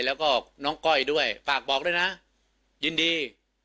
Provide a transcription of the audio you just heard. แล้วก็น้องก้อยด้วยฝากบอกด้วยนะยินดี